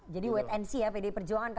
jadi wait and see ya pdi perjuangan